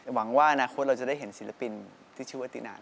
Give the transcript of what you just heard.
หวังว่าอนาคตเราจะได้เห็นศิลปินที่ชื่อว่าตินาน